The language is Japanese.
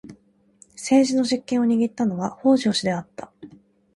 政治の実権を握ったのは北条氏であった。